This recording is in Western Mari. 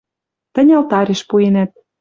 Тӹнь алтарьыш пуэнӓт.